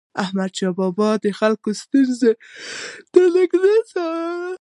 احمدشاه بابا به د خلکو ستونزې د نژدي څارلي.